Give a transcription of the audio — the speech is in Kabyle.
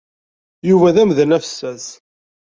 Yuba d amdan afessas.